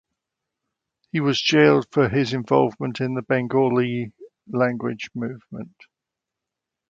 He was jailed for his involvement in the Bengali language movement.